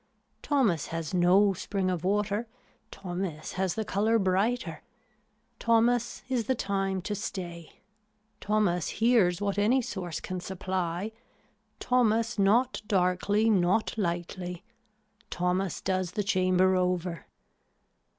Thomas has no spring of water, Thomas has the color brighter. Thomas is the time to stay. Thomas hears what any source can supply. Thomas not darkly not lightly, Thomas does the chamber over.